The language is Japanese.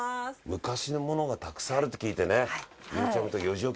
昔のものがたくさんあるって聞いてね。